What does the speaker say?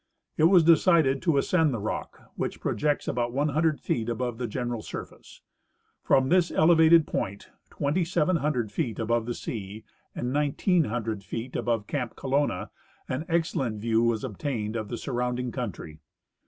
It was decided to ascend the rock, which projects about 100 feet above the general, surface. From this elevated point, 2,700 feet above the sea and 1,900 feet above camp Co lonna, an excellent view was obtained of the surrounding country.